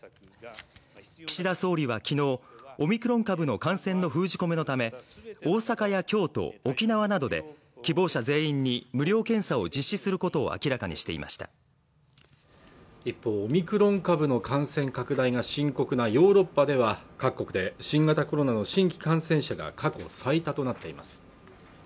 岸田総理は昨日オミクロン株の感染の封じ込めのため大阪や京都沖縄などで希望者全員に無料検査を実施することを明らかにしていました一方オミクロン株の感染拡大が深刻なヨーロッパでは各国で新型コロナの新規感染者が過去最多となっています